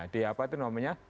di apa itu namanya